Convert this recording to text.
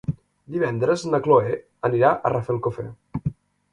Divendres na Cloè anirà a Rafelcofer.